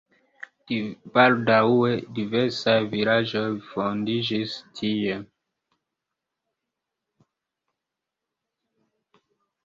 Baldaŭe diversaj vilaĝoj fondiĝis tie.